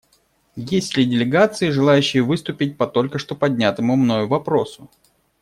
Есть ли делегации, желающие выступить по только что поднятому мною вопросу?